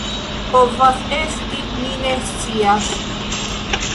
Povas esti, mi ne scias.